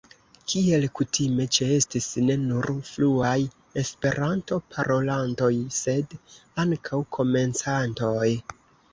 Kiel kutime ĉeestis ne nur fluaj Esperanto-parolantoj sed ankaŭ komencantoj.